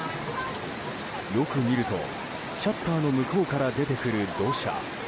よく見るとシャッターの向こうから出てくる土砂。